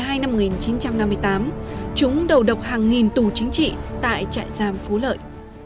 năm một nghìn chín trăm năm mươi tám chúng đầu độc hàng nghìn tù chính trị tại trại giam phú lợi